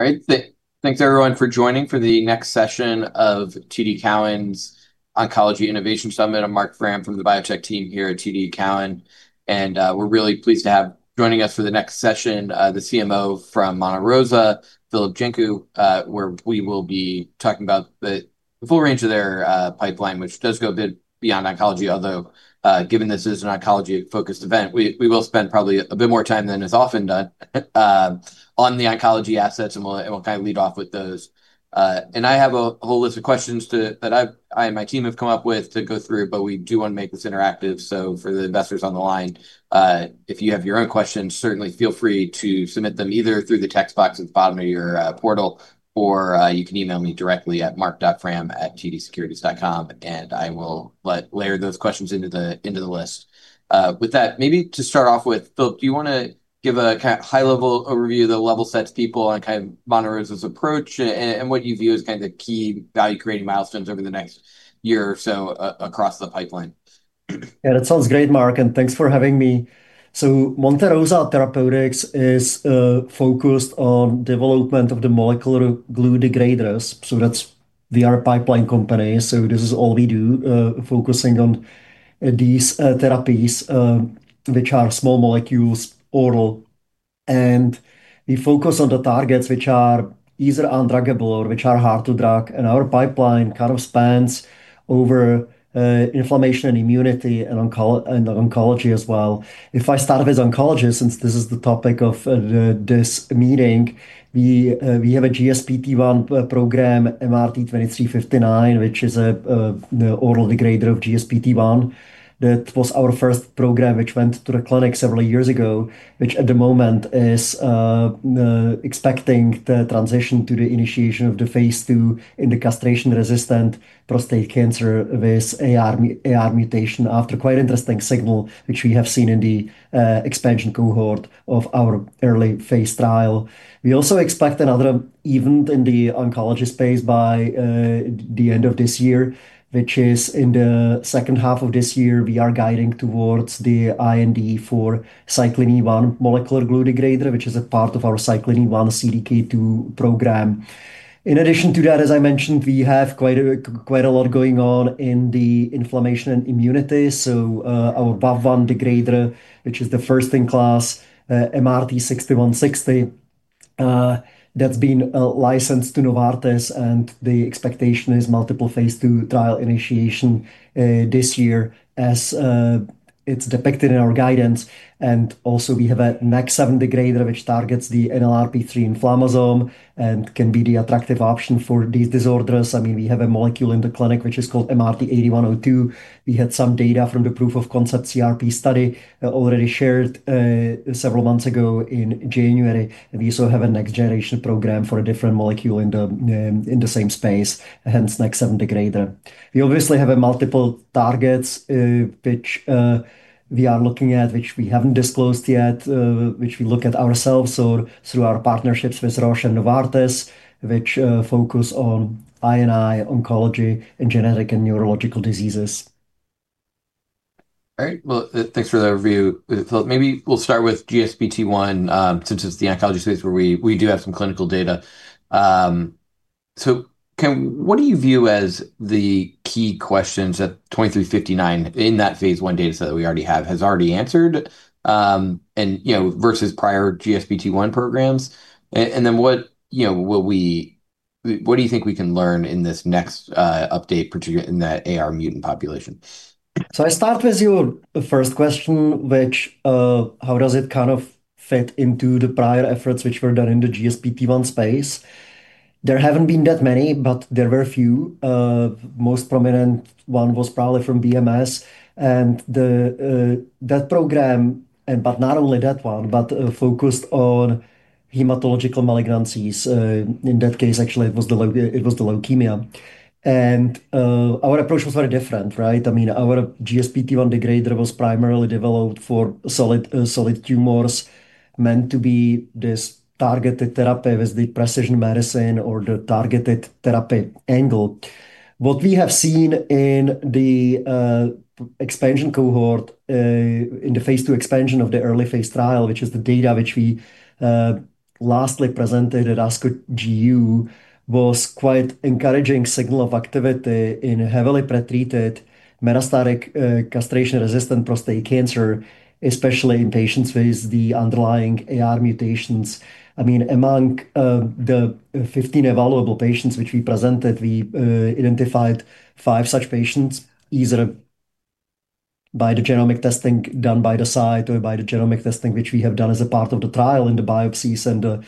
All right. Thanks everyone for joining for the next session of TD Cowen's Oncology Innovation Summit. I'm Marc Frahm from the biotech team here at TD Cowen. We're really pleased to have joining us for the next session, the CMO from Monte Rosa, Filip Janku, where we will be talking about the full range of their pipeline, which does go a bit beyond oncology. Given this is an oncology-focused event, we will spend probably a bit more time than is often done on the oncology assets. We'll lead off with those. I have a whole list of questions that I and my team have come up with to go through. We do want to make this interactive. For the investors on the line, if you have your own questions, certainly feel free to submit them either through the text box at the bottom of your portal or you can email me directly at marc.frahm@tdsecurities.com, and I will layer those questions into the list. With that, maybe to start off with, Filip, do you want to give a high-level overview that level-sets people on Monte Rosa's approach and what you view as the key value-creating milestones over the next year or so across the pipeline? Yeah, that sounds great, Marc, and thanks for having me. Monte Rosa Therapeutics is focused on development of the molecular glue degraders. We are a pipeline company, so this is all we do, focusing on these therapies, which are small molecules, oral. We focus on the targets which are either undruggable or which are hard to drug. Our pipeline kind of spans over inflammation and immunity and oncology as well. If I start with oncology, since this is the topic of this meeting, we have a GSPT1 program, MRT-2359, which is the oral degrader of GSPT1. That was our first program, which went to the clinic several years ago, which at the moment is expecting the transition to the initiation of the phase II in the castration-resistant prostate cancer with AR mutation after a quite interesting signal, which we have seen in the expansion cohort of our early phase trial. We also expect another event in the oncology space by the end of this year, which is in the second half of this year. We are guiding towards the IND for cyclin E1 molecular glue degrader, which is a part of our cyclin E1 CDK2 program. In addition to that, as I mentioned, we have quite a lot going on in the inflammation and immunity. Our VAV1 degrader, which is the first in class, MRT-6160, that's been licensed to Novartis, and the expectation is multiple phase II trial initiation this year as it's depicted in our guidance. Also we have a NEK7 degrader, which targets the NLRP3 inflammasome and can be the attractive option for these disorders. We have a molecule in the clinic, which is called MRT-8102. We had some data from the proof of concept CRP study already shared several months ago in January. We also have a next-generation program for a different molecule in the same space, hence NEK7 degrader. We obviously have multiple targets, which we are looking at, which we haven't disclosed yet, which we look at ourselves or through our partnerships with Roche and Novartis, which focus on I&I, oncology, and genetic and neurological diseases. All right. Well, thanks for that review, Filip. We'll start with GSPT1, since it's the oncology space where we do have some clinical data. What do you view as the key questions that 2359 in that phase I data set that we already have has already answered, versus prior GSPT1 programs? What do you think we can learn in this next update, particularly in that AR mutant population? I start with your first question, which, how does it kind of fit into the prior efforts which were done in the GSPT1 space. There haven't been that many, but there were a few. Most prominent one was probably from BMS, and that program, but not only that one, but focused on hematological malignancies. In that case, actually, it was the leukemia. Our approach was very different, right? Our GSPT1 degrader was primarily developed for solid tumors, meant to be this targeted therapy with the precision medicine or the targeted therapy angle. What we have seen in the expansion cohort in the phase II expansion of the early phase trial, which is the data which we lastly presented at ASCO GU, was quite encouraging signal of activity in heavily pretreated metastatic castration-resistant prostate cancer, especially in patients with the underlying AR mutations. Among the 15 evaluable patients which we presented, we identified five such patients, either by the genomic testing done by the site or by the genomic testing, which we have done as a part of the trial in the biopsies and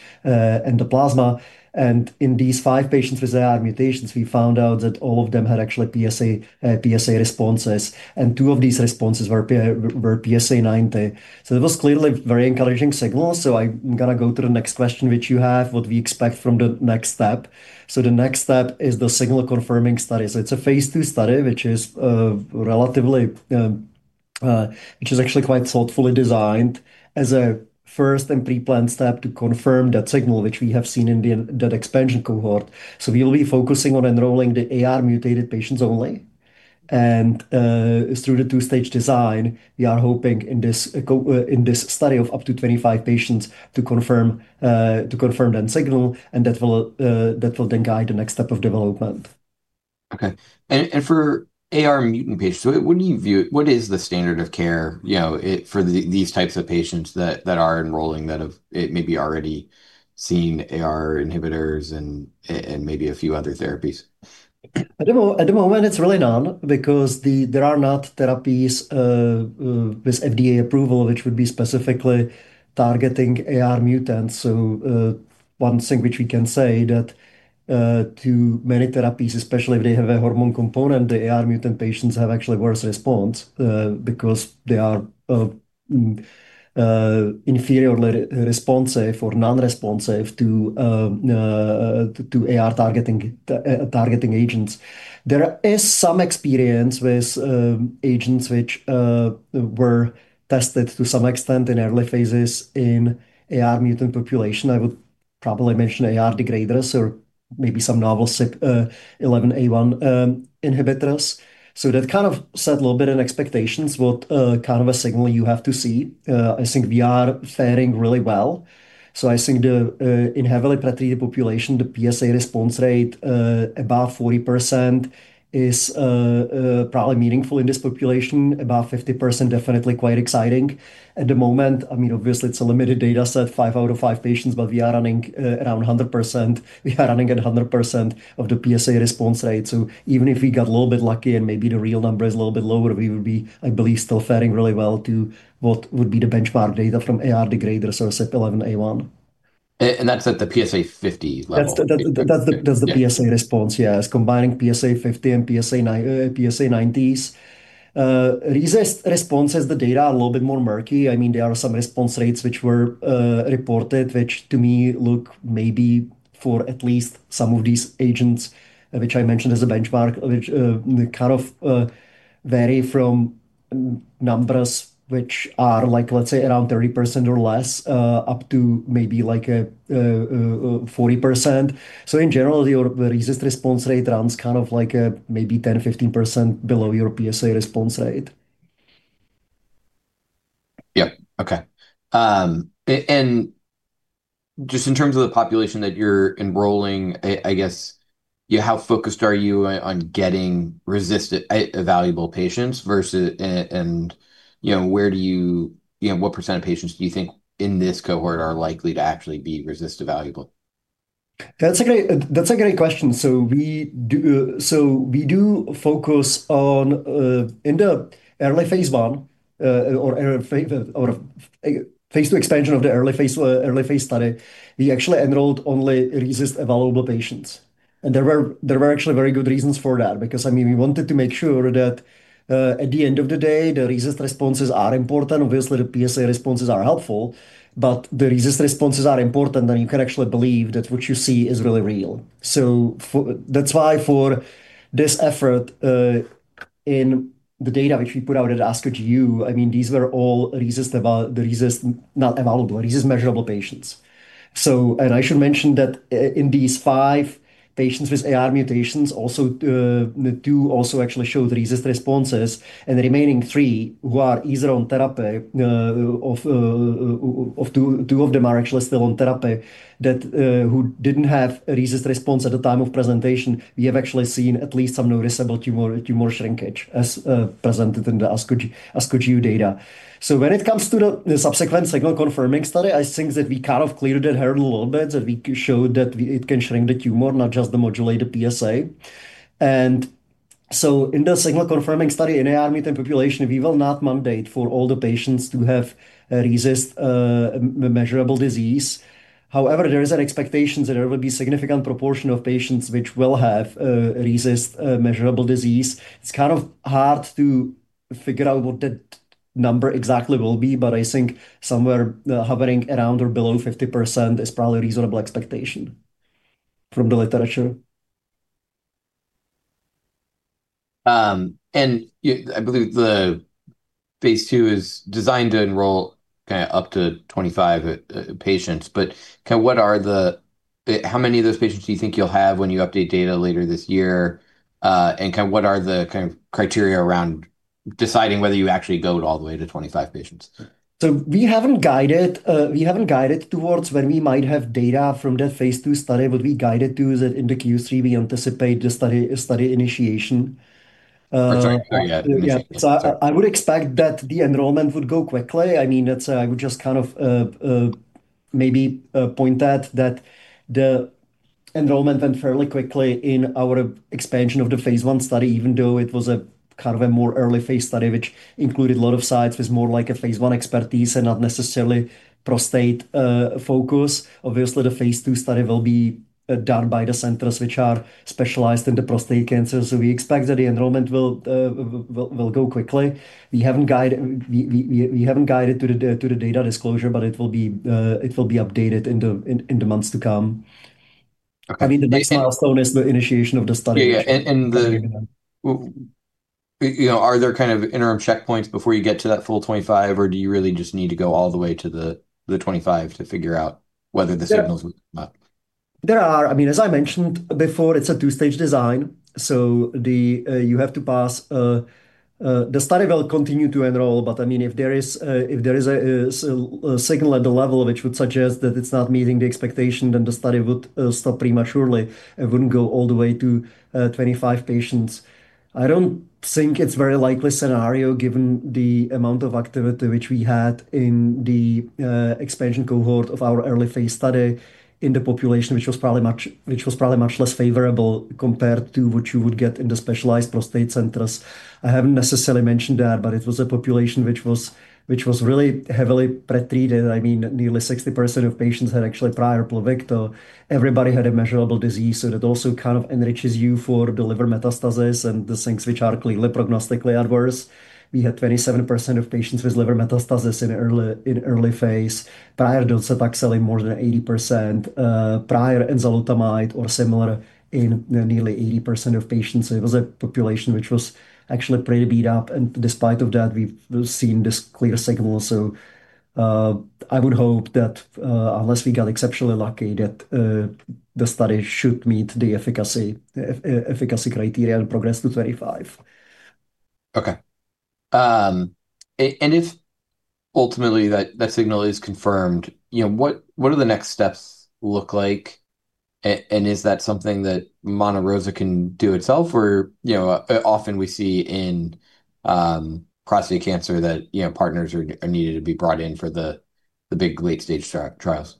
the plasma. In these five patients with AR mutations, we found out that all of them had actually PSA responses, and two of these responses were PSA 90. That was clearly a very encouraging signal. I'm going to go to the next question, which you have, what we expect from the next step. The next step is the signal-confirming study. It's a phase II study, which is actually quite thoughtfully designed as a first and pre-planned step to confirm that signal, which we have seen in that expansion cohort. We will be focusing on enrolling the AR mutated patients only. Through the two stage design, we are hoping in this study of up to 25 patients to confirm that signal, and that will then guide the next step of development. Okay. For AR mutant patients, what is the standard of care for these types of patients that are enrolling that have maybe already seen AR inhibitors and maybe a few other therapies? At the moment, it's really none because there are no therapies with FDA approval which would be specifically targeting AR mutants. One thing which we can say that too many therapies, especially if they have a hormone component, the AR mutant patients have actually worse response, because they are inferiorly responsive or non-responsive to AR targeting agents. There is some experience with agents which were tested to some extent in early phases in AR mutant population. I would probably mention AR degraders or maybe some novel CYP11A1 inhibitors. That kind of set a little bit in expectations what kind of a signal you have to see. I think we are fairing really well. I think in heavily pretreated population, the PSA response rate above 40% is probably meaningful in this population. Above 50%, definitely quite exciting. At the moment, obviously it's a limited data set, five out of five patients, but we are running at 100% of the PSA response rate. Even if we got a little bit lucky and maybe the real number is a little bit lower, we would be, I believe, still fairing really well to what would be the benchmark data from AR degrader, so CYP11A1. That's at the PSA 50 level? That's the PSA response, yes. Combining PSA 50 and PSA 90s. RECIST responses, the data are a little bit more murky. There are some response rates which were reported, which to me look maybe for at least some of these agents, which I mentioned as a benchmark, which kind of vary from numbers which are, let's say, around 30% or less, up to maybe like 40%. In general, the RECIST response rate runs kind of like maybe 10%, 15% below your PSA response rate. Yeah. Okay. Just in terms of the population that you're enrolling, how focused are you on getting RECIST evaluable patients? What percentage of patients do you think in this cohort are likely to actually be RECIST evaluable? That's a great question. We do focus on, in the early phase I or phase II expansion of the early phase study, we actually enrolled only RECIST evaluable patients. There were actually very good reasons for that, because we wanted to make sure that at the end of the day, the RECIST responses are important. Obviously, the PSA responses are helpful, but the RECIST responses are important, and you can actually believe that what you see is really real. That's why for this effort, in the data which we put out at ASCO GU, these were all RECIST measurable patients. I should mention that in these five patients with AR mutations, the two also actually showed RECIST responses, and the remaining three who are either on therapy, two of them are actually still on therapy, who didn't have a RECIST response at the time of presentation. We have actually seen at least some noticeable tumor shrinkage as presented in the ASCO GU data. When it comes to the subsequent signal confirming study, I think that we kind of cleared that hurdle a little bit, that we showed that it can shrink the tumor, not just modulate the PSA. In the signal confirming study in AR mutant population, we will not mandate for all the patients to have RECIST measurable disease. However, there is an expectation that there will be significant proportion of patients which will have RECIST measurable disease. It's kind of hard to figure out what that number exactly will be, but I think somewhere hovering around or below 50% is probably a reasonable expectation from the literature. I believe the phase II is designed to enroll up to 25 patients. How many of those patients do you think you'll have when you update data later this year? What are the criteria around deciding whether you actually go all the way to 25 patients? We haven't guided towards when we might have data from that phase II study. What we guided to is that in the Q3, we anticipate the study initiation. That's right. Yeah. Yeah. I would expect that the enrollment would go quickly. I would just kind of maybe point that the enrollment went fairly quickly in our expansion of the phase I study, even though it was a more early phase study, which included a lot of sites with more like a phase I expertise and not necessarily prostate focus. Obviously, the phase II study will be done by the centers which are specialized in the prostate cancer. We expect that the enrollment will go quickly. We haven't guided to the data disclosure, but it will be updated in the months to come. Okay. The next milestone is the initiation of the study. Yeah. Are there kind of interim checkpoints before you get to that full 25 or do you really just need to go all the way to the 25 to figure out whether the signals would come up? There are. As I mentioned before, it's a two stage design, you have to pass. The study will continue to enroll, if there is a signal at the level which would suggest that it's not meeting the expectation, the study would stop prematurely and wouldn't go all the way to 25 patients. I don't think it's very likely scenario, given the amount of activity which we had in the expansion cohort of our early phase study in the population, which was probably much less favorable compared to what you would get in the specialized prostate centers. I haven't necessarily mentioned that, it was a population which was really heavily pre-treated. Nearly 60% of patients had actually prior Pluvicto. Everybody had a measurable disease, that also kind of enriches you for the liver metastasis and the things which are clearly prognostically adverse. We had 27% of patients with liver metastasis in early phase, prior docetaxel in more than 80%, prior enzalutamide or similar in nearly 80% of patients. It was a population which was actually pretty beat up. Despite of that, we've seen this clear signal. I would hope that, unless we got exceptionally lucky, that the study should meet the efficacy criteria and progress to 35. Okay. If ultimately that signal is confirmed, what do the next steps look like? Is that something that Monte Rosa can do itself or often we see in prostate cancer that partners are needed to be brought in for the big late-stage trials.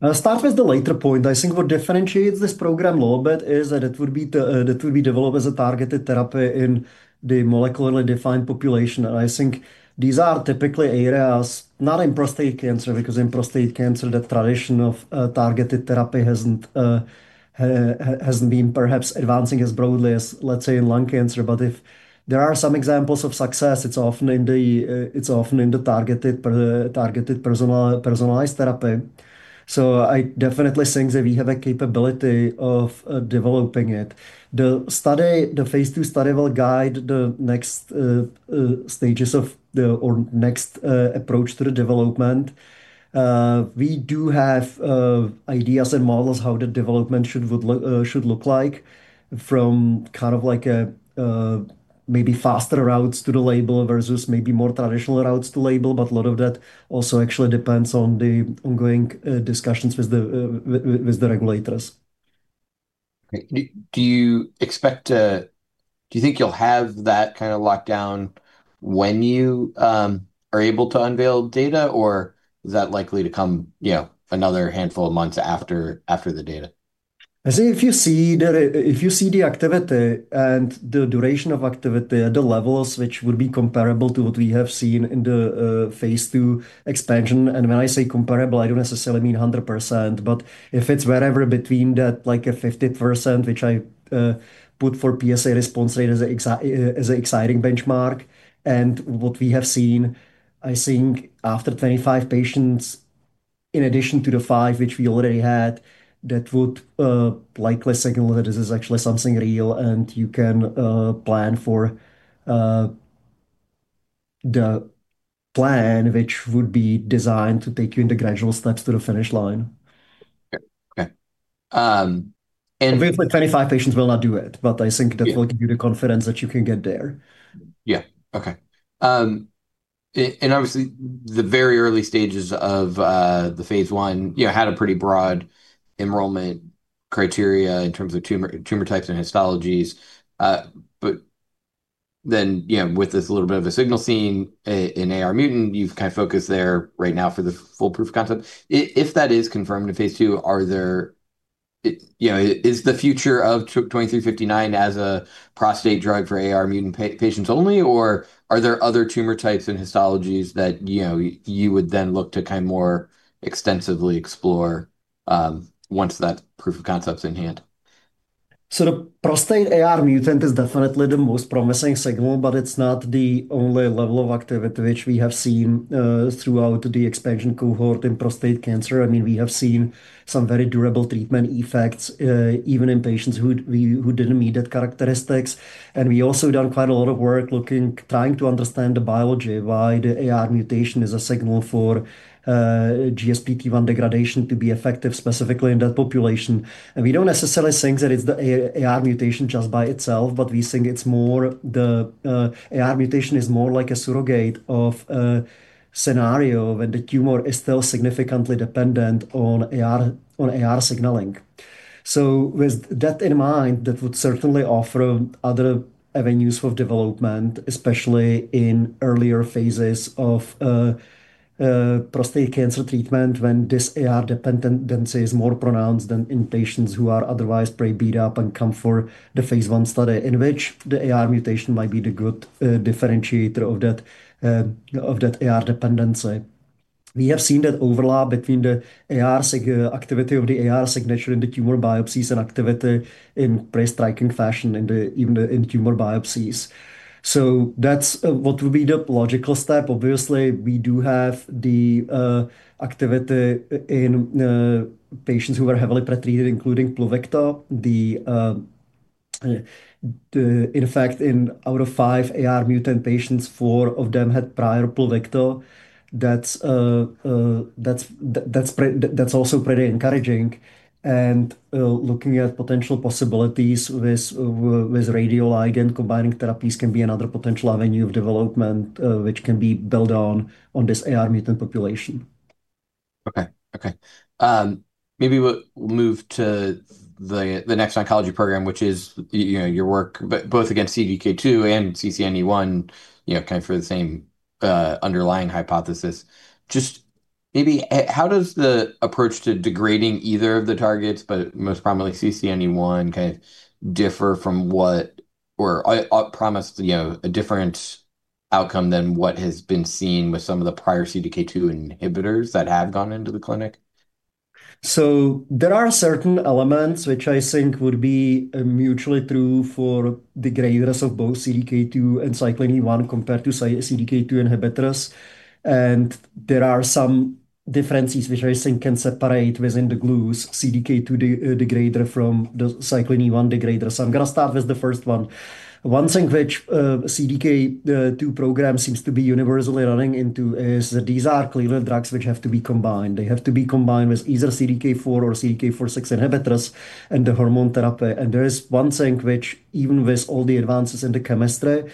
I'll start with the later point. I think what differentiates this program a little bit is that it would be developed as a targeted therapy in the molecularly defined population. I think these are typically areas, not in prostate cancer, because in prostate cancer, the tradition of targeted therapy hasn't been perhaps advancing as broadly as, let's say, in lung cancer. If there are some examples of success, it's often in the targeted, personalized therapy. I definitely think that we have a capability of developing it. The phase II study will guide the next stages of, or next approach to the development. We do have ideas and models how the development should look like from kind of like maybe faster routes to the label versus maybe more traditional routes to label, but a lot of that also actually depends on the ongoing discussions with the regulators. Great. Do you think you'll have that kind of lockdown when you are able to unveil data or is that likely to come another handful of months after the data? I think if you see the activity and the duration of activity, the levels which would be comparable to what we have seen in the phase II expansion, when I say comparable, I don't necessarily mean 100%, but if it's wherever between that, like a 50%, which I put for PSA response rate as an exciting benchmark. What we have seen, I think after 25 patients, in addition to the five which we already had, that would likely signal that this is actually something real, and you can plan for the plan which would be designed to take you in the gradual steps to the finish line. Okay. Obviously, 25 patients will not do it, but I think that will give you the confidence that you can get there. Yeah. Okay. Obviously, the very early stages of the phase I had a pretty broad enrollment criteria in terms of tumor types and histologies. Then, with this little bit of a signal seen in AR mutant, you've kind of focused there right now for the full proof concept. If that is confirmed in phase II, is the future of 2359 as a prostate drug for AR mutant patients only or are there other tumor types and histologies that you would then look to kind of more extensively explore once that proof of concept's in hand? The prostate AR mutation is definitely the most promising signal, but it's not the only level of activity which we have seen throughout the expansion cohort in prostate cancer. We have seen some very durable treatment effects, even in patients who didn't meet that characteristics. We also done quite a lot of work trying to understand the biology, why the AR mutation is a signal for GSPT1 degradation to be effective specifically in that population. We don't necessarily think that it's the AR mutation just by itself, but we think it's more the AR mutation is more like a surrogate of a scenario where the tumor is still significantly dependent on AR signaling. With that in mind, that would certainly offer other avenues for development, especially in earlier phases of prostate cancer treatment when this AR dependency is more pronounced than in patients who are otherwise pretty beat up and come for the phase I study, in which the AR mutation might be the good differentiator of that AR dependency. We have seen that overlap between the activity of the AR signature in the tumor biopsies and activity in pretty striking fashion even in tumor biopsies. That's what would be the logical step. Obviously, we do have the activity in patients who were heavily pre-treated, including Pluvicto. In fact, out of five AR mutant patients, four of them had prior Pluvicto. That's also pretty encouraging and looking at potential possibilities with radioligand, combining therapies can be another potential avenue of development, which can be built on this AR mutant population. Okay. Maybe we'll move to the next oncology program, which is your work, both against CDK2 and CCNE1, for the same underlying hypothesis. Just maybe, how does the approach to degrading either of the targets, but most prominently CCNE1, differ from or promise a different outcome than what has been seen with some of the prior CDK2 inhibitors that have gone into the clinic? There are certain elements which I think would be mutually true for degraders of both CDK2 and cyclin E1 compared to, say, CDK2 inhibitors. There are some differences which I think can separate within the glues CDK2 degrader from the cyclin E1 degrader. I'm going to start with the first one. One thing which CDK2 program seems to be universally running into is that these are clearly drugs which have to be combined. They have to be combined with either CDK4 or CDK4/6 inhibitors and the hormone therapy. There is one thing which, even with all the advances in the chemistry,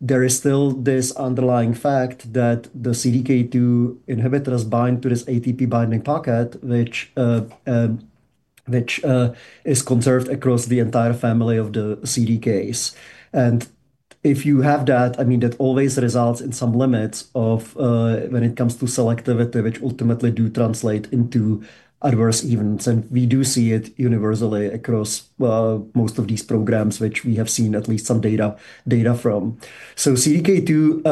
there is still this underlying fact that the CDK2 inhibitors bind to this ATP binding pocket, which is conserved across the entire family of the CDKs. If you have that always results in some limits of when it comes to selectivity, which ultimately do translate into adverse events. We do see it universally across most of these programs, which we have seen at least some data from. CDK2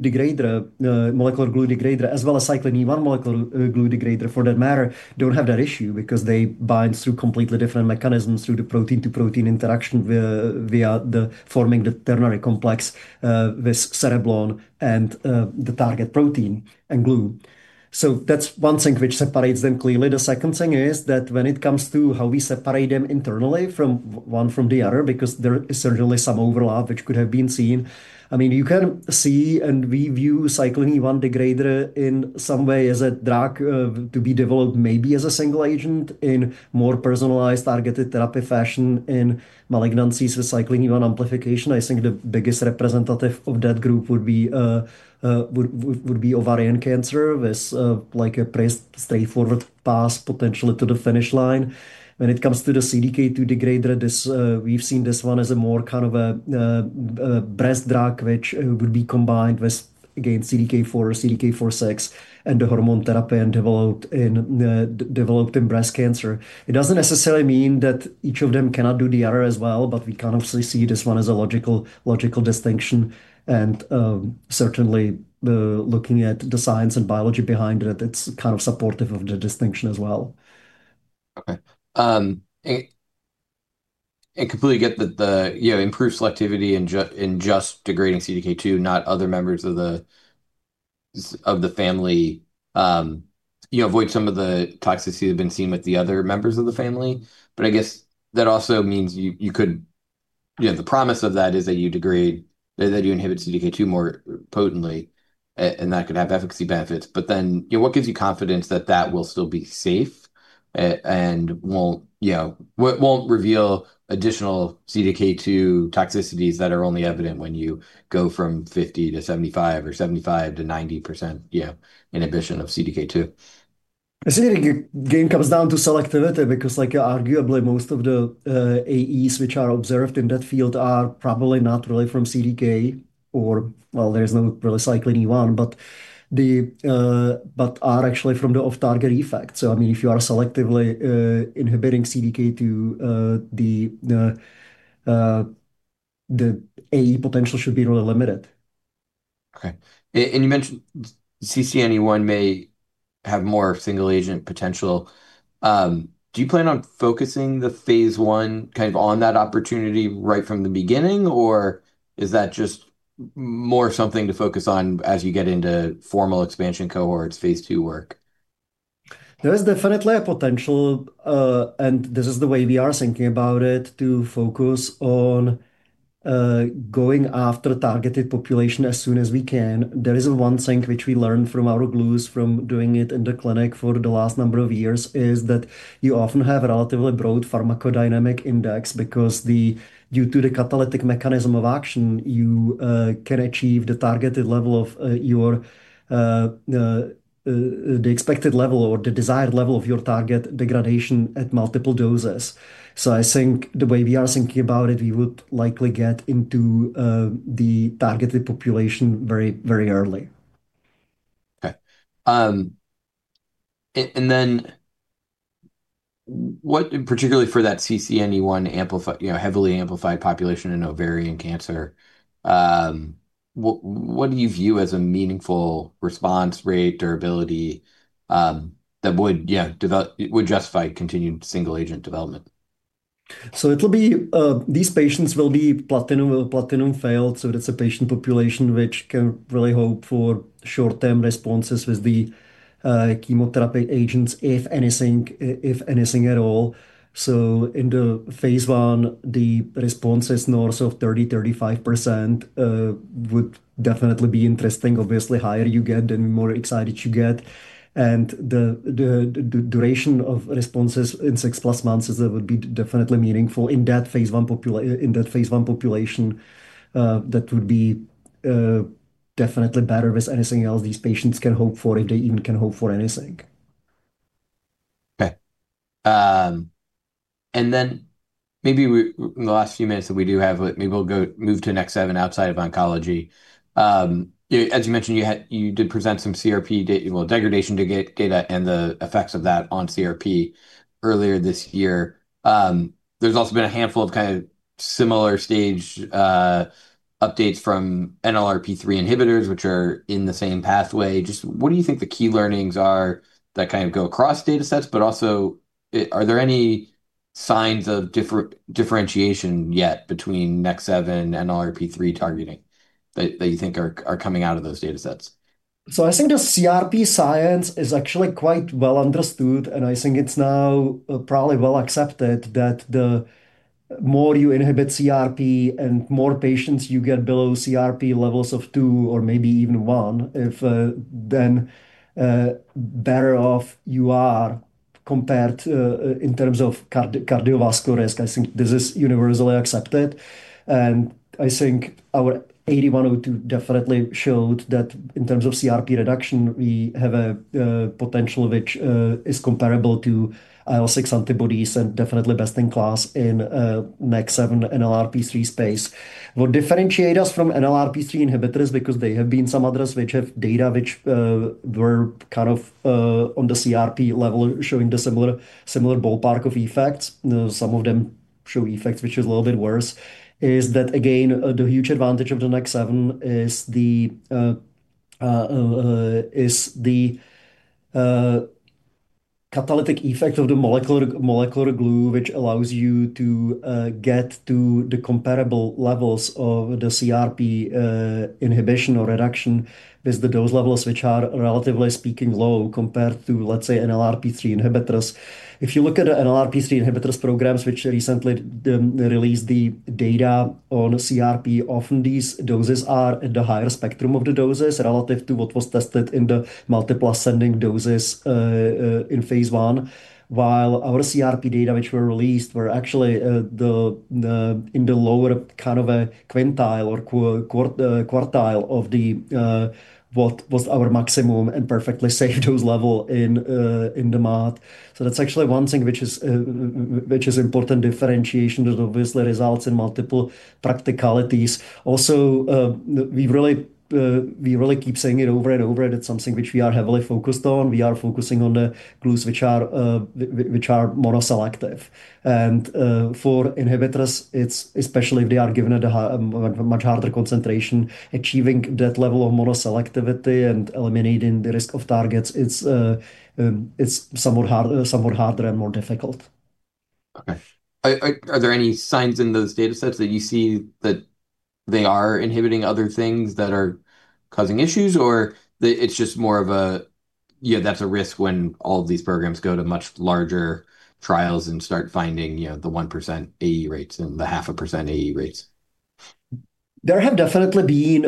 degrader, molecular glue degrader, as well as cyclin E1 molecular glue degrader, for that matter, don't have that issue because they bind through completely different mechanisms, through the protein-to-protein interaction, via the forming the ternary complex with Cereblon and the target protein and glue. That's one thing which separates them clearly. The second thing is that when it comes to how we separate them internally, one from the other, because there is certainly some overlap which could have been seen. You can see and we view cyclin E1 degrader in some way as a drug to be developed, maybe as a single agent in more personalized targeted therapy fashion in malignancies with cyclin E1 amplification. I think the biggest representative of that group would be ovarian cancer with a straightforward path, potentially to the finish line. When it comes to the CDK2 degrader, we've seen this one as a more kind of a breast drug, which would be combined with, again, CDK4 or CDK4/6 and the hormone therapy and developed in breast cancer. It doesn't necessarily mean that each of them cannot do the other as well, but we can obviously see this one as a logical distinction, and certainly looking at the science and biology behind it's kind of supportive of the distinction as well. Okay. I completely get that the improved selectivity in just degrading CDK2, not other members of the family, you avoid some of the toxicity that have been seen with the other members of the family. I guess that also means the promise of that is that you degrade, that you inhibit CDK2 more potently, and that could have efficacy benefits. What gives you confidence that that will still be safe and won't reveal additional CDK2 toxicities that are only evident when you go from 50% to 75% or 75% to 90% inhibition of CDK2? I think the game comes down to selectivity because arguably most of the AEs which are observed in that field are probably not really from CDK or well, there is no really cyclin E1, but are actually from the off-target effect. If you are selectively inhibiting CDK2, the AE potential should be really limited. Okay. You mentioned CCNE1 may have more single-agent potential. Do you plan on focusing the phase I on that opportunity right from the beginning or is that just more something to focus on as you get into formal expansion cohorts, phase II work? There is definitely a potential, and this is the way we are thinking about it, to focus on going after targeted population as soon as we can. There is one thing which we learned from our glues from doing it in the clinic for the last number of years, is that you often have a relatively broad pharmacodynamic index because due to the catalytic mechanism of action, you can achieve the expected level or the desired level of your target degradation at multiple doses. I think the way we are thinking about it, we would likely get into the targeted population very early. Okay. Particularly for that CCNE1 heavily amplified population in ovarian cancer, what do you view as a meaningful response rate durability that would justify continued single-agent development? These patients will be platinum or platinum failed. That's a patient population which can really hope for short-term responses with the chemotherapy agents, if anything at all. In the phase I, the responses north of 30%, 35% would definitely be interesting. Obviously, the higher you get, the more excited you get. The duration of responses in 6+ months, that would be definitely meaningful in that phase I population. That would be definitely better with anything else these patients can hope for, if they even can hope for anything. Okay. Then maybe in the last few minutes that we do have, maybe we'll move to NEK7 outside of oncology. As you mentioned, you did present some CRP degradation data and the effects of that on CRP earlier this year. There's also been a handful of similar stage updates from NLRP3 inhibitors, which are in the same pathway. Just what do you think the key learnings are that go across datasets, but also, are there any signs of differentiation yet between NEK7 and NLRP3 targeting that you think are coming out of those datasets? I think the CRP science is actually quite well understood. I think it's now probably well accepted that the more you inhibit CRP and the more patients you get below CRP levels of two or maybe even one, the better off you are compared in terms of cardiovascular risk. I think this is universally accepted. I think our 8102 definitely showed that in terms of CRP reduction, we have a potential which is comparable to IL-6 antibodies and definitely best in class in NEK7 NLRP3 space. What differentiates us from NLRP3 inhibitors, because there have been some others which have data which were on the CRP level, showing the similar ballpark of effects, some of them show effects which is a little bit worse, is that, again, the huge advantage of the NEK7 is the catalytic effect of the molecular glue, which allows you to get to the comparable levels of the CRP inhibition or reduction with the dose levels, which are, relatively speaking, low compared to, let's say, NLRP3 inhibitors. If you look at the NLRP3 inhibitors programs which recently released the data on CRP, often these doses are at the higher spectrum of the doses relative to what was tested in the multiple ascending doses in phase I, while our CRP data which were released were actually in the lower quintile or quartile of what was our maximum and perfectly safe dose level in the MAD. That's actually one thing which is an important differentiation that obviously results in multiple practicalities. We really keep saying it over and over, that's something which we are heavily focused on. We are focusing on the glues which are mono-selective. For inhibitors, especially if they are given at a much harder concentration, achieving that level of mono-selectivity and eliminating the risk of targets, it's somewhat harder and more difficult. Okay. Are there any signs in those datasets that you see that they are inhibiting other things that are causing issues or that it's just more of a, that's a risk when all of these programs go to much larger trials and start finding the 1% AE rates and the half a percent AE rates? There have definitely been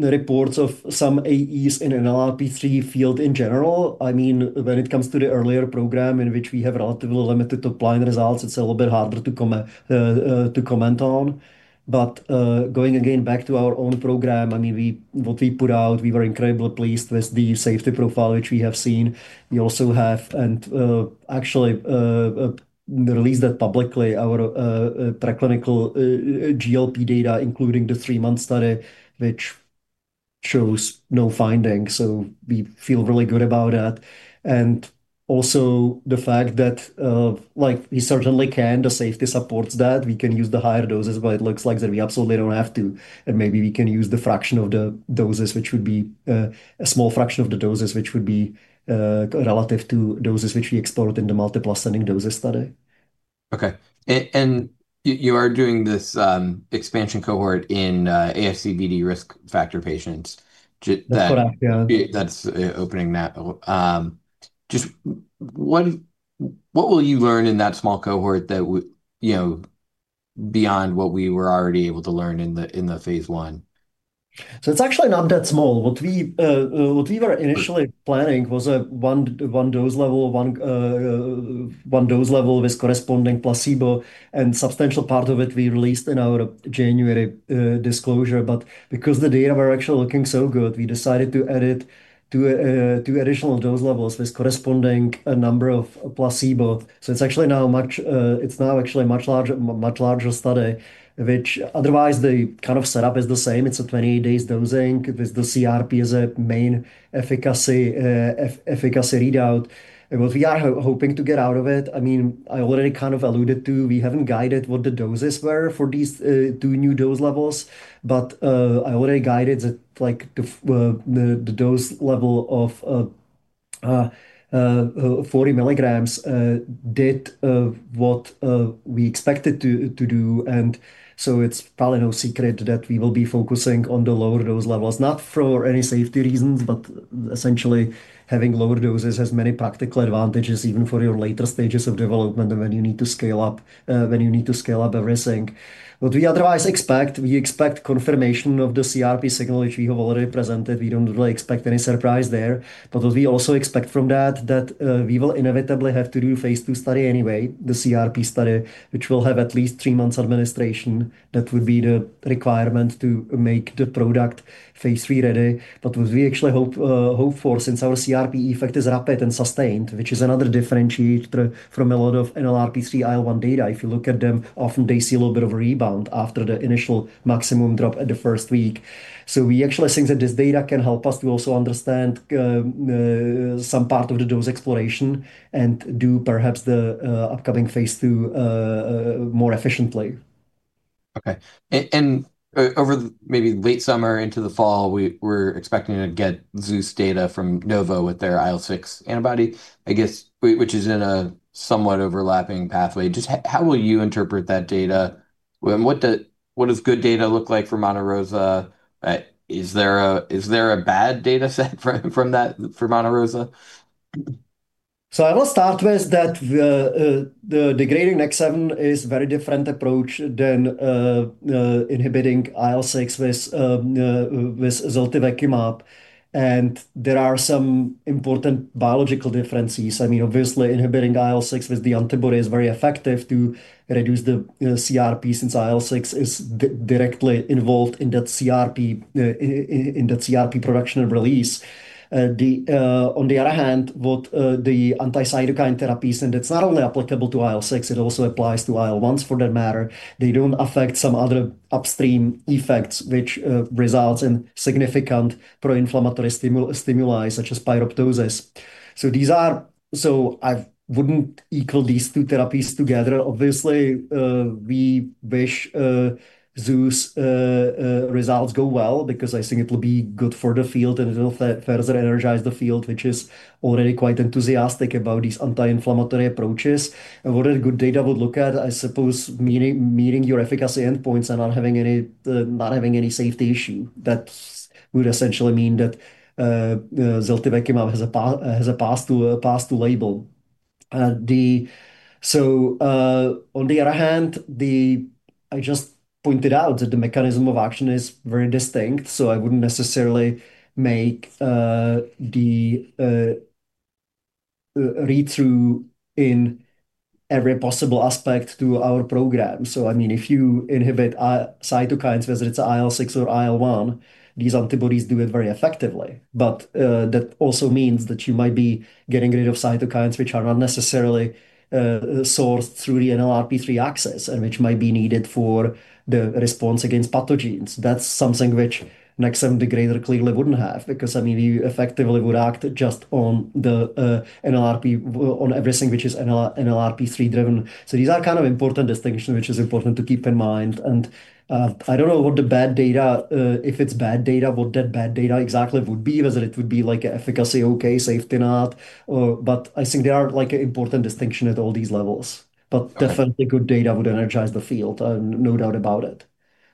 reports of some AEs in NLRP3 field in general. When it comes to the earlier program in which we have relatively limited top-line results, it's a little bit harder to comment on. Going again back to our own program, what we put out, we were incredibly pleased with the safety profile which we have seen. We also have, and actually released that publicly, our preclinical GLP data, including the three month study, which shows no findings. We feel really good about that. Also the fact that we certainly can, the safety supports that we can use the higher doses, but it looks like that we absolutely don't have to, and maybe we can use the fraction of the doses, which would be a small fraction of the doses, which would be relative to doses which we explored in the multiple ascending doses study. Okay. You are doing this expansion cohort in ASCVD risk factor patients- That's correct, yeah. That's opening that. Just what will you learn in that small cohort beyond what we were already able to learn in the phase I? It's actually not that small. What we were initially planning was a one dose level with corresponding placebo, and a substantial part of it we released in our January disclosure. Because the data were actually looking so good, we decided to add two additional dose levels with a corresponding number of placebo. It's now actually a much larger study, which otherwise the kind of setup is the same. It's a 20 days dosing with the CRP as a main efficacy readout. What we are hoping to get out of it, I already kind of alluded to. We haven't guided what the doses were for these two new dose levels. I already guided the dose level of 40 mg did what we expected to do. It's probably no secret that we will be focusing on the lower dose levels, not for any safety reasons, but essentially having lower doses has many practical advantages, even for your later stages of development when you need to scale up everything. What we otherwise expect, we expect confirmation of the CRP signal, which we have already presented. We don't really expect any surprise there. What we also expect from that we will inevitably have to do a phase II study anyway, the CRP study, which will have at least three months administration. That would be the requirement to make the product phase III-ready. What we actually hope for, since our CRP effect is rapid and sustained, which is another differentiator from a lot of NLRP3 IL-1 data. If you look at them, often they see a little bit of a rebound after the initial maximum drop at the first week. We actually think that this data can help us to also understand some part of the dose exploration and do perhaps the upcoming phase II more efficiently. Okay. Over maybe late summer into the fall, we're expecting to get ZEUS data from Novo with their IL-6 antibody, I guess, which is in a somewhat overlapping pathway. Just how will you interpret that data? What does good data look like for Monte Rosa? Is there a bad data set from that for Monte Rosa? I will start with that the degrading NEK7 is very different approach than inhibiting IL-6 with ziltivekimab, and there are some important biological differences. Obviously, inhibiting IL-6 with the antibody is very effective to reduce the CRP, since IL-6 is directly involved in that CRP production and release. On the other hand, what the anti-cytokine therapies, and it's not only applicable to IL-6, it also applies to IL-1s for that matter. They don't affect some other upstream effects, which results in significant pro-inflammatory stimuli, such as pyroptosis. I wouldn't equal these two therapies together. Obviously, we wish ZEUS results go well because I think it will be good for the field, and it will further energize the field, which is already quite enthusiastic about these anti-inflammatory approaches. What a good data would look at, I suppose, meeting your efficacy endpoints and not having any safety issue. That would essentially mean that ziltivekimab has a path to label. On the other hand, I just pointed out that the mechanism of action is very distinct, so I wouldn't necessarily make the read-through in every possible aspect to our program. If you inhibit cytokines, whether it's IL-6 or IL-1, these antibodies do it very effectively. That also means that you might be getting rid of cytokines, which are not necessarily sourced through the NLRP3 axis, and which might be needed for the response against pathogens. That's something which NEK7 degrader clearly wouldn't have because you effectively would act just on everything which is NLRP3 driven. These are kind of important distinction, which is important to keep in mind. I don't know what the bad data, if it's bad data, what that bad data exactly would be, whether it would be like efficacy okay, safety not. I think there are an important distinction at all these levels. But definitely, good data would energize the field, no doubt about it.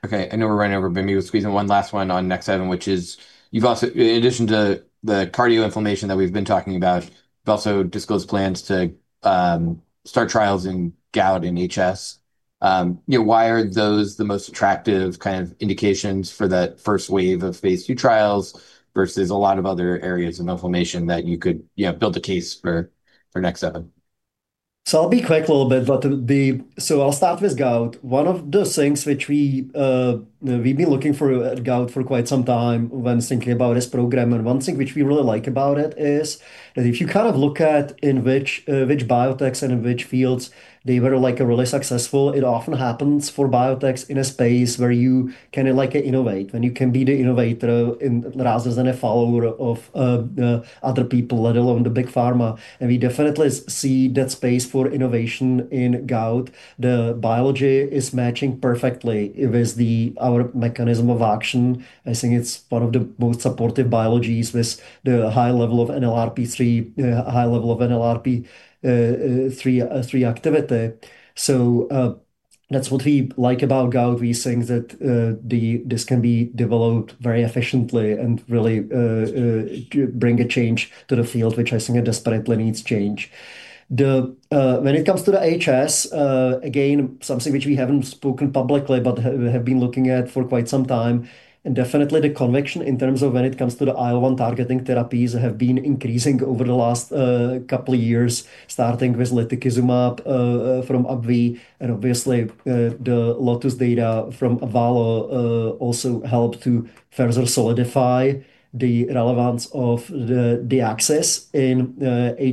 Okay. I know we're running over, let me squeeze in one last one on NEK7, which is, in addition to the cardio inflammation that we've been talking about, you've also disclosed plans to start trials in gout in HS. Why are those the most attractive kind of indications for that first wave of phase II trials versus a lot of other areas of inflammation that you could build a case for NEK7? I'll be quick a little bit. I'll start with gout. One of the things which we've been looking for at gout for quite some time when thinking about this program, and one thing which we really like about it is that if you look at in which biotechs and in which fields they were really successful, it often happens for biotechs in a space where you can innovate, when you can be the innovator rather than a follower of other people, let alone the big pharma. We definitely see that space for innovation in gout. The biology is matching perfectly with our mechanism of action. I think it's one of the most supportive biologies with the high level of NLRP3 activity. That's what we like about gout. We think that this can be developed very efficiently and really bring a change to the field, which I think it desperately needs change. When it comes to the HS, again, something which we haven't spoken publicly, but have been looking at for quite some time, and definitely the conviction in terms of when it comes to the IL-1 targeting therapies have been increasing over the last couple of years, starting with lutikizumab from AbbVie. Obviously, the LOTUS data from Avalo also helped to further solidify the relevance of the axis in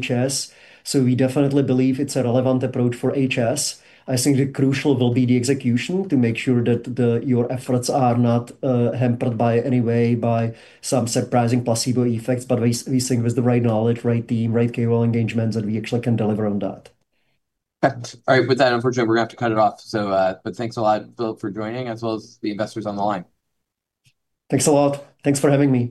HS. We definitely believe it's a relevant approach for HS. I think the crucial will be the execution to make sure that your efforts are not hampered by any way by some surprising placebo effects. We think with the right knowledge, right team, right KOL engagements, that we actually can deliver on that. Perfect. All right, with that, unfortunately, we're going to have to cut it off. Thanks a lot, Filip, for joining, as well as the investors on the line. Thanks a lot. Thanks for having me.